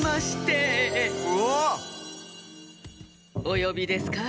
およびですか？